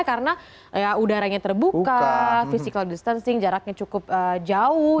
karena udaranya terbuka physical distancing jaraknya cukup jauh